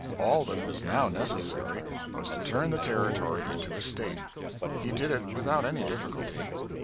All that was now necessary was to turn the Territory into a State. He did it without any difficulty.